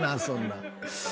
そんなん。